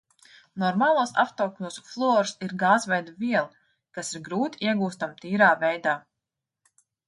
Normālos apstākļos fluors ir gāzveida viela, kas ir grūti iegūstama tīrā veidā.